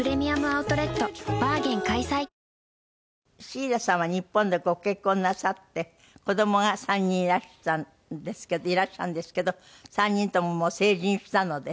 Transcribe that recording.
シーラさんは日本でご結婚なさって子供が３人いらしたんですけどいらっしゃるんですけど３人とももう成人したので。